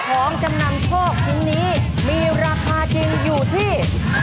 ของจำนำโชคชิ้นนี้มีราคาจริงอยู่ที่